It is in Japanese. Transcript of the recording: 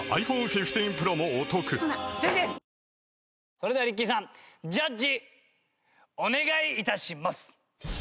それではＲＩＣＫＹさんジャッジお願い致します。